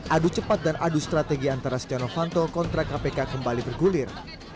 adu cepat dan adu strategi antara stenovanto kontra kpk kembali bergulir